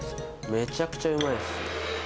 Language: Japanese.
めちゃくちゃうまいです。